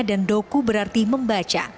dan doku berarti membaca